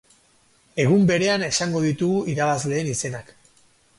Egun berean esango ditugu irabazleen izenak.